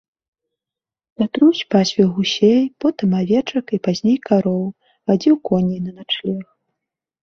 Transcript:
Пятрусь пасвіў гусей, потым авечак і пазней кароў, вадзіў коней на начлег.